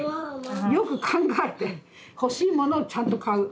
よく考えて欲しいものをちゃんと買う。